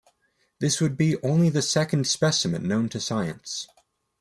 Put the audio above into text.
This would be only the second specimen known to science.